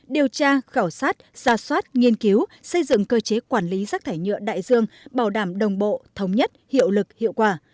điều tra khảo sát ra soát nghiên cứu xây dựng cơ chế quản lý rác thải nhựa đại dương bảo đảm đồng bộ thống nhất hiệu lực hiệu quả